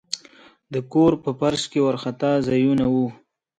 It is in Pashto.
د کور په فرش کې وارخطا ځایونه وو.